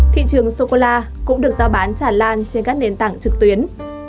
thị trường sô cô la cũng được giao bán tràn lan trên các nền tảng trực tuyến